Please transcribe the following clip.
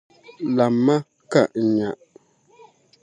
Lamm’ ma ka n nya!